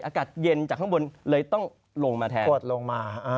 อากาศเย็นจากข้างบนเลยต้องลงมาแทนกดลงมา